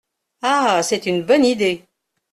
Ah ! c’est une bonne idée.